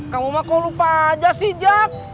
kamu mah kok lupa aja sih jak